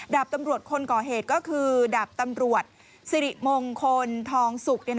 ดาบตำรวจคนก่อเหตุก็คือดาบตำรวจสิริมงคลทองสุก